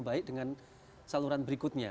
baik dengan saluran berikutnya